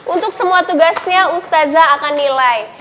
untuk semua tugasnya ustazah akan nilai